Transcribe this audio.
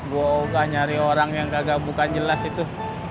gue oh nggak nyari orang yang nggak bukan jelas itu